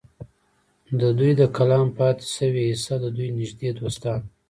د دوي د کلام پاتې شوې حصه د دوي نزدې دوستانو